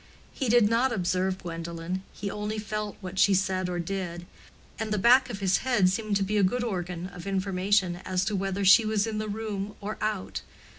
He did not observe Gwendolen; he only felt what she said or did, and the back of his head seemed to be a good organ of information as to whether she was in the room or out.